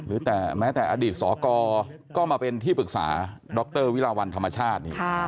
หรือแต่แม้แต่อดีตสกก็มาเป็นที่ปรึกษาดรวิราวัลธรรมชาตินี่